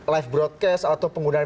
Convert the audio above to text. live broadcast atau penggunaan